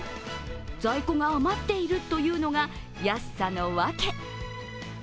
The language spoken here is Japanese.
在庫が余っているというのが安さのワケ。